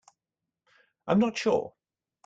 I am not sure.